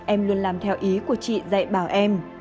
em luôn làm theo ý của chị dạy bảo em